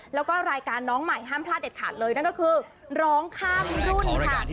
แล้วก็รายการน้องใหม่ห้ามพลาดเด็ดขาดเลยนั่นก็คือร้องข้ามรุ่นค่ะ